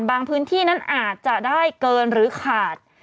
พื้นที่นั้นอาจจะได้เกินหรือขาด